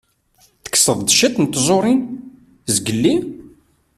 Tekkseḍ-d cwiṭ n tẓuṛin zgelli?